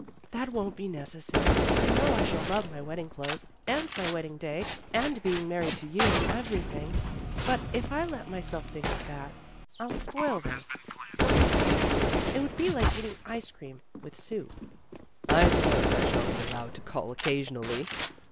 "That won't be necessary. I know I shall love my wedding clothes, and my wedding day, and being married to you, and everything. But 252 A PARTIAL ECLIPSE 253 if I let myself think of that, I'll spoil this, don't you see? It would be like eating ice cream with soup." "I suppose I shall be allowed to call oc casionally.